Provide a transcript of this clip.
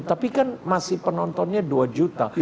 tapi kan masih penontonnya dua juta